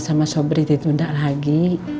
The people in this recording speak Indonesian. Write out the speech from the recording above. sama sobri ditunda lagi